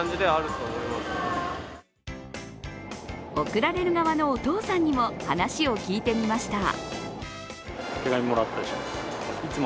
贈られる側のお父さんにも話を聞いてみました。